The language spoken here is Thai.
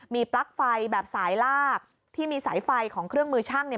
มีปลั๊กไฟแบบสายลากที่มีสายไฟของเครื่องมือช่างเนี่ย